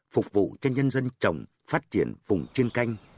phục vụ cho nhân dân trồng phát triển vùng chuyên canh